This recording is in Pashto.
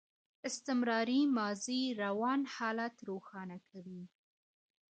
استمراري ماضي روان حالت روښانه کوي.